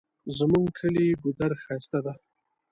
زمونږ کلی ګودر ښایسته ده